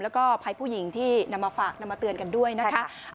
แล้วก็ภัยผู้หญิงที่นำมาฝากนำมาเตือนกันด้วยนะคะ